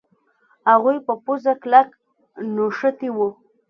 هغوی په پوزه کلک نښتي وو.